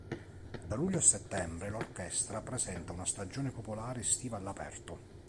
Da luglio a settembre l'orchestra presenta una Stagione Popolare estiva all'aperto.